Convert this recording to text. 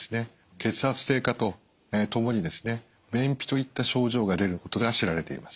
血圧低下とともに便秘といった症状が出ることが知られています。